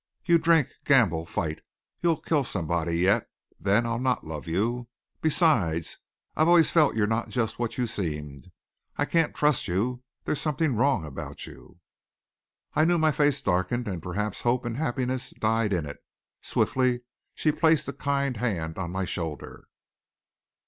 You drink, gamble, fight. You'll kill somebody yet. Then I'll not love you. Besides, I've always felt you're not just what you seemed. I can't trust you. There's something wrong about you." I knew my face darkened, and perhaps hope and happiness died in it. Swiftly she placed a kind hand on my shoulder.